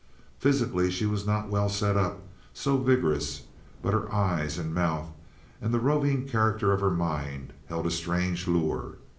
Physically she was not well set up, so vigorous; but her eyes and mouth and the roving character of her mind held a strange lure.